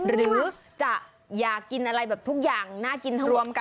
หรือจะอยากกินอะไรแบบทุกอย่างน่ากินทั้งรวมกัน